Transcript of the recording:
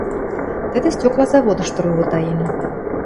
Тӹдӹ стёкла заводышты ровотаен.